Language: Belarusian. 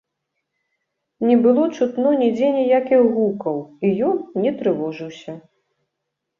Не было чутно нідзе ніякіх гукаў, і ён не трывожыўся.